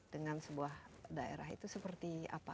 dengan sebuah daerah itu seperti apa